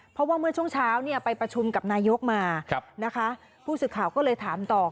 เพราะว่าเมื่อช่วงเช้าเนี่ยไปประชุมกับนายกมานะคะผู้สื่อข่าวก็เลยถามต่อ